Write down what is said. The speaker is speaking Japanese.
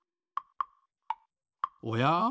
おや？